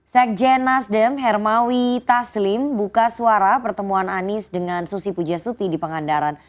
sekjen nasdem hermawi taslim buka suara pertemuan anies dengan susi pujastuti di pangandaran